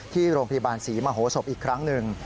ที่โรงพยาบาลศรีมโหศพอีกครั้งหนึ่ง